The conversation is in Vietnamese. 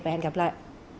và hẹn gặp lại